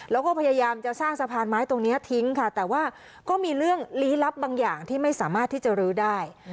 แล้วก็พยายามจะสร้างสะพานไม้ตรงนี้ทิ้งค่ะแต่ว่าก็มีเรื่องลี้ลับบางอย่างที่ไม่สามารถที่จะรื้อได้